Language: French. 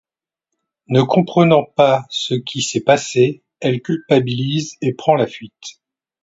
Ne comprenant pas ce qui s'est passé, elle culpabilise et prend la fuite.